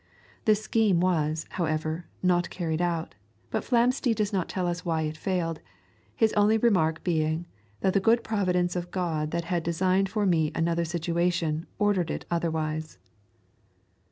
This scheme was, however, not carried out, but Flamsteed does not tell us why it failed, his only remark being, that "the good providence of God that had designed me for another station ordered it otherwise."